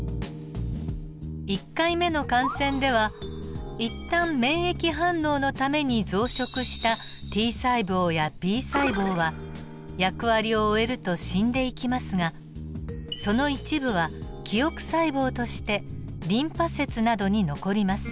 １回目の感染では一旦免疫反応のために増殖したＴ細胞やＢ細胞は役割を終えると死んでいきますがその一部は記憶細胞としてリンパ節などに残ります。